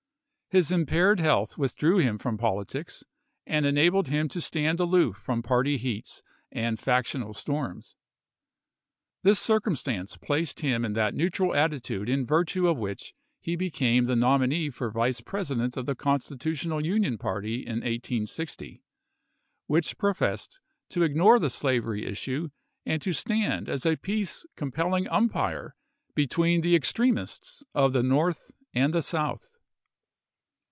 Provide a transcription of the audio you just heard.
His impaired health withdrew him from politics and enabled him to stand aloof from party heats and factional storms. This circumstance placed him in that neutral attitude in virtue of which he became the nominee for Vice President of the Con stitutional Union party in 1860, which i^rof essed to ignore the slavery issue and to stand as a peace compelling umpire between the extremists of the North and the South.